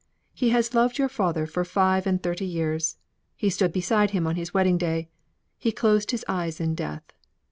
He has loved your father for five and thirty years; he stood beside him on his wedding day; he closed his eyes in death.